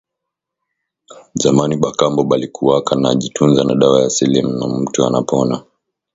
Zamani ba kambo balikuwaka naji tunza na dawa ya asili na mutu anapona